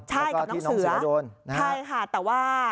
แล้วก็ที่น้องเสือโดนนะครับใช่ค่ะแต่ว่า